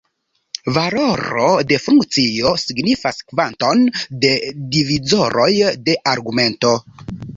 Valoro de funkcio signifas kvanton de divizoroj de argumento.